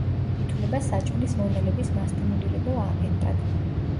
ითვლება საჭმლის მონელების მასტიმულირებელ აგენტად.